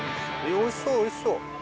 おいしそう、おいしそう。